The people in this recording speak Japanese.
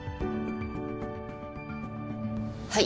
はい。